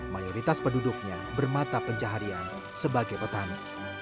mayoritas penduduknya bermata pencaharian sebagai petani